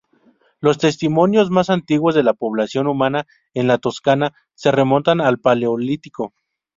Los testimonios más antiguos de población humana en la Toscana, se remontan al Paleolítico.